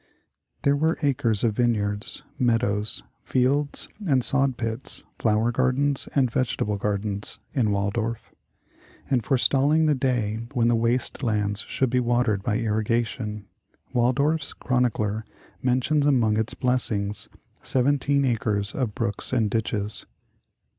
There were acres of vineyards, meadows, fields and sand pits, flower gardens and vegetable gardens, in Waldorf; and, forestalling the day when the waste lands should be watered by irrigation, Waldorf's 12 The Forest Village chronicler mentions among its blessings, ''seventeen acres of brooks and ditches".